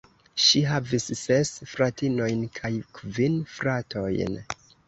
Ŝi havis ses fratinojn kaj kvin fratojn.